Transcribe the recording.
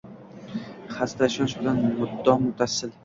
Xasta ishonch bilan mudom-muttasil